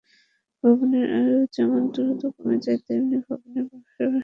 ভবনের আয়ু যেমন দ্রুত কমে যায়, তেমনি ভবনে বসবাসকারীদের জীবনও ঝুঁকিতে পড়ে।